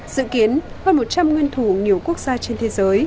dự kiến hơn một trăm linh nguyên thủ nhiều quốc gia trên thế giới